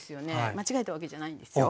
間違えたわけじゃないんですよ。